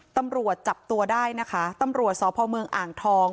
ตำรวจจับตัวได้นะคะตำรวจสพเมืองอ่างทอง